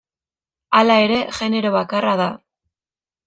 Hala ere genero bakarra da.